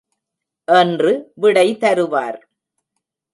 என்று விடை தருவார்.